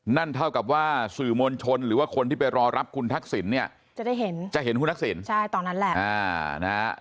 นั่นเท่ากับว่าสื่อมวลชนหรือว่าคนที่ไปรอรับคุณทักษิณเนี่ยจะได้เห็นจะเห็นคุณทักษิณใช่ตอนนั้นแหละ